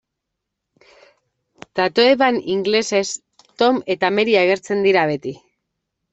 Tatoeban, ingelesez, Tom eta Mary agertzen dira beti.